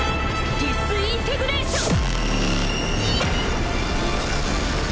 ディスインテグレーション！